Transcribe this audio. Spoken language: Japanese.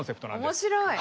面白い！